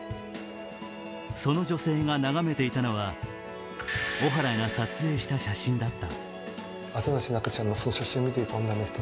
その女性が眺めていたのは、小原が撮影した写真だった。